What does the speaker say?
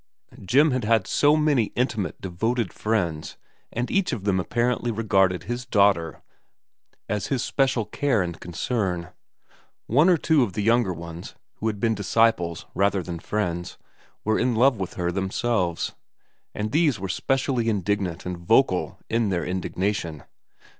Jim had had so many intimate, devoted friends, and each of them apparently regarded his daughter as his special care and concern. One or two of the younger ones, who had been disciples rather than friends, were 107 108 . VERA n in love with her themselves, and these were specially indignant and vocal in their indignation.